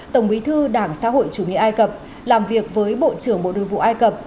tổng bí thư đảng xã hội chủ nghĩa ai cập làm việc với bộ trưởng bộ đội vụ ai cập